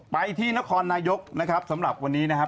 ไปที่นครนายกนะครับสำหรับวันนี้นะครับ